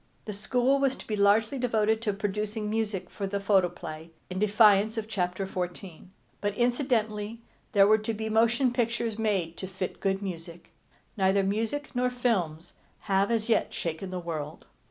The school was to be largely devoted to producing music for the photoplay, in defiance of chapter fourteen. But incidentally there were to be motion pictures made to fit good music. Neither music nor films have as yet shaken the world.